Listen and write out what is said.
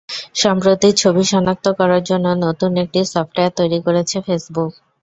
সম্প্রতি ছবি শনাক্ত করার জন্য নতুন একটি সফটওয়্যার তৈরি করেছে ফেসবুক।